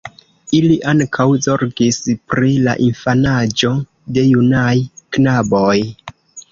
Ili ankaŭ zorgis pri la infanaĝo de junaj knaboj.